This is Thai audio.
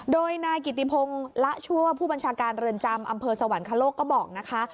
โดยนายกิติพงศ์ละชั่วผู้บัญชาการเรือนจำอำเภอสวรรคโลกก็บอกนะคะ